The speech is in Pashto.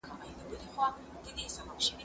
زه هره ورځ قلم استعمالوم